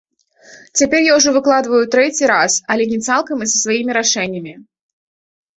Цяпер я ўжо выкладваю ў трэці раз, але не цалкам і са сваімі рашэннямі.